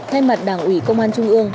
thay mặt đảng ủy công an trung ương